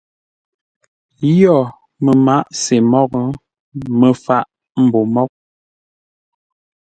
Yio məmaʼá-sê moghʼ, Məfaʼ mbô moghʼ.